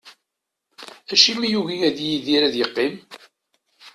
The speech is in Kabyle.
Acimi yugi ad Yidir ad yeqqim?